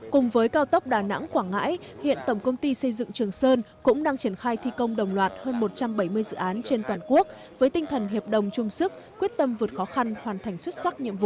cùng với cao tốc đà nẵng quảng ngãi hiện tổng công ty xây dựng trường sơn cũng đang triển khai thi công đồng loạt hơn một trăm bảy mươi dự án trên toàn quốc với tinh thần hiệp đồng chung sức quyết tâm vượt khó khăn hoàn thành xuất sắc nhiệm vụ